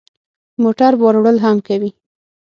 موټر بار وړل هم کوي.